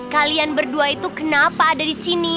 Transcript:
kalian berdua itu kenapa ada di sini